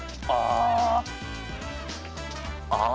ああ。